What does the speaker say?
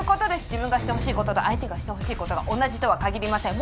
「自分がして欲しいこと」と「相手がして欲しいこと」が同じとは限りません。